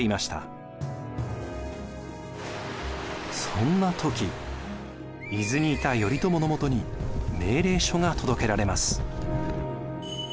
そんな時伊豆にいた頼朝のもとに命令書が届けられます。